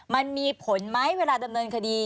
มันมีผลไหมเวลาดำเนินคดี